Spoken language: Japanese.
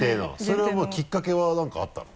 それはきっかけは何かあったの？